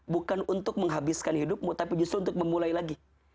bukan untuk menghabiskan hidupmu tapi justru untuk memulai lagi